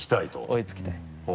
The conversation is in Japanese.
追いつきたい。